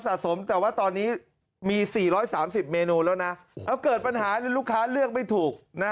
สมแต่ว่าตอนนี้มี๔๓๐เมนูแล้วนะแล้วเกิดปัญหาลูกค้าเลือกไม่ถูกนะ